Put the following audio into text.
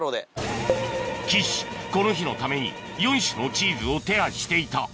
岸この日のために４種のチーズを手配していた